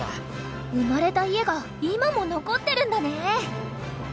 生まれた家が今も残ってるんだね！